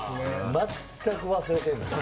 全く忘れてんのよ。